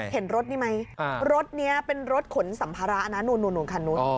เห็นรถนี่ไหมรถนี้เป็นรถขนสัมภาระนะนู่นคันนู้น